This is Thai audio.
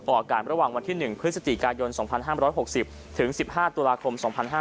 ออกอากาศระหว่างวันที่๑พฤศจิกายน๒๕๖๐ถึง๑๕ตุลาคม๒๕๕๙